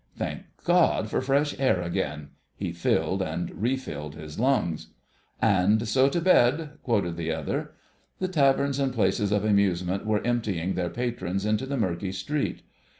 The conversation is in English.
"Thank God for fresh air again!" He filled and refilled his lungs. "'And so to bed,'" quoted the other. The taverns and places of amusement were emptying their patrons into the murky street.